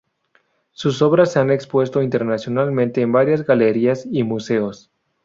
Sus obras se han expuesto internacionalmente en varias galerías y museos.